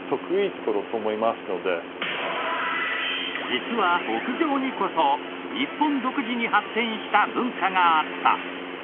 実は屋上にこそ日本独自に発展した文化があった！